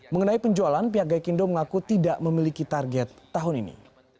mengenai penjualan pihak gaikindo mengaku tidak memiliki target tahun ini